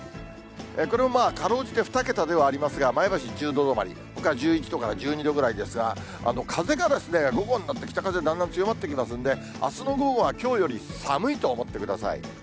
これもまあ、かろうじて２桁ではありますが、前橋１０度止まり、ほか１１度から１２度ぐらいですが、風が午後になって北風だんだん強まってきますんで、あすの午後は、きょうより寒いと思ってください。